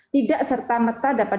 tidak serta merta dapat